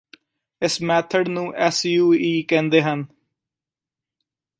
ਇਸ ਮੈਥਡ ਨੂੰ S U E ਕਹਿੰਦੇ ਹਨ